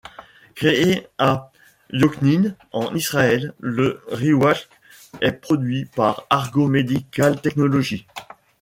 Créé à Yokneam, en Israël, le ReWalk est produit par Argo Medical Technologies.